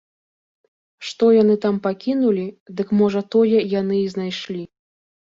Што яны там пакінулі, дык можа тое яны і знайшлі.